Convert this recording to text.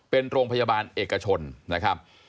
เป็นโรงพยาบาลเอกชนนะครับ